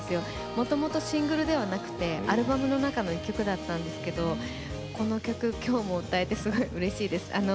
もともとシングルではなくてアルバムの中の１曲だったんですけどこの曲、今日も歌えてうれしいです。